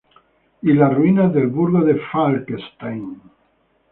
Y las ruinas del Burgo de Falkenstein.